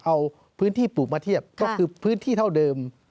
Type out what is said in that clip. เอาพื้นที่ปลูกมาเทียบก็คือพื้นที่เท่าเดิม